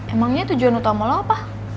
emangnya tujuan utama lo apa